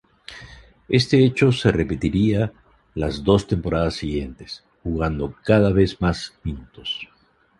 Este hecho se repetiría las dos temporadas siguientes, jugando cada vez más minutos.